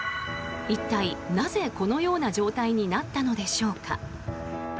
一体なぜ、このような状態になったのでしょうか。